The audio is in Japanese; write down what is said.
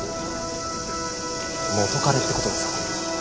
元カレって事ですかね？